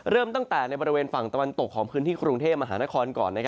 เริ่มตั้งแต่ในบริเวณฝั่งตะวันตกของพื้นที่กรุงเทพมหานครก่อน